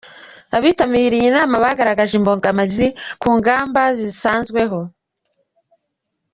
Abitabiriye inama bagaragaje imbogamizi ku ngamba zisanzweho.